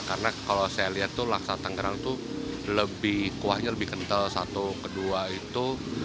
karena kalau saya lihat tuh laksa tanggerang tuh lebih kuahnya lebih kental satu kedua itu